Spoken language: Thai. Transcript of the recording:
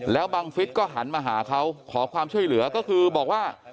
แล้วบังฟิศก็หันมาหาเขาขอความช่วยเหลือก็คือบอกว่า